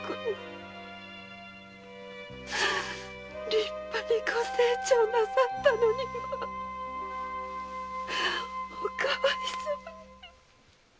立派にご成長なさったのにおかわいそうに。